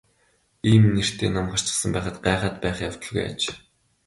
Ийм нэртэй ном гарчихсан байхад гайхаад байх явдалгүй аж.